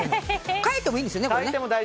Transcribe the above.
変えてもいいんですよね。